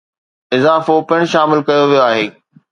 اضافو پڻ شامل ڪيو ويو آهي